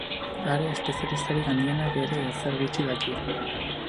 Are espezialistarik handienak ere ezer gutxi daki.